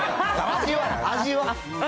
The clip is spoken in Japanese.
味は？